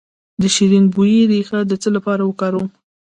د شیرین بویې ریښه د څه لپاره وکاروم؟